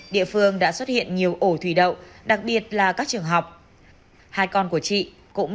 địa phương đã xuất hiện nhiều ổ thủy đậu đặc biệt là các trường học hai con của chị cũng